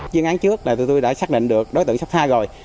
chuyên án trước là tụi tôi đã xác định được đối tượng sotha rồi